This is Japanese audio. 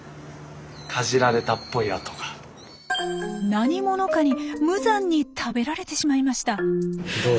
何者かに無残に食べられてしまいました。